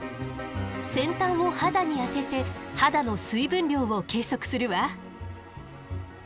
先端を肌に当てて肌の水分量を計測するわ。